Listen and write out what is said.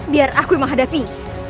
biar aku yang menghadapinya